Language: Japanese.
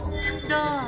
どう？